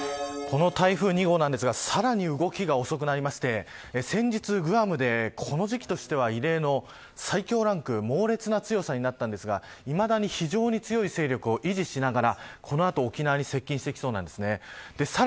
この台風２号ですがさらに動きが遅くなりまして先月、グアムでこの時期としては異例の最強ランクで猛烈な強さになりましたがいまだに非常に強い勢力を維持しながらこの後沖縄に接近してきそうです。